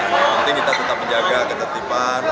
yang penting kita tetap menjaga ketertiban